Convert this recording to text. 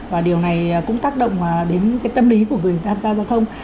và điều này cũng tác động đến cái tâm lý của người tham gia giao thông